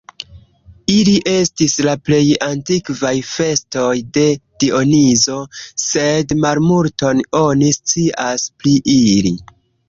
Ili estis la plej antikvaj festoj de Dionizo, sed malmulton oni scias pri ili.